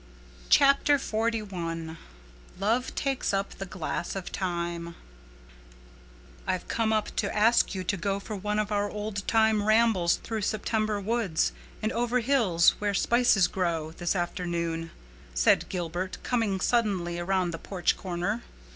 Chapter XLI Love Takes Up the Glass of Time "I've come up to ask you to go for one of our old time rambles through September woods and 'over hills where spices grow,' this afternoon," said Gilbert, coming suddenly around the porch corner.